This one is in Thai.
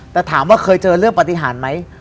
แต่ถามว่าเคยเจอเรื่องปฏิหารไหม